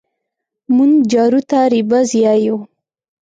مونږ جارو ته رېبز يايو